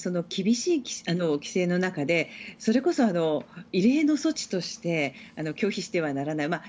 厳しい規制の中でそれこそ異例の措置として拒否してはならない。